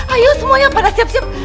ayo semuanya pada siap siap